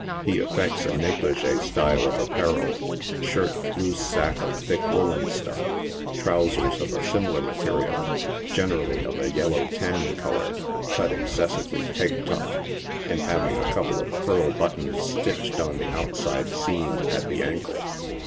He affects a neglige style of apparel : shirt, loose sac'c, of thick woolen stuff; trousers of a similar material, generally of a yellow tan color, cut excesssvely pegtop, and having a couple of pearl buttons strched on the outside seam, at the ankle.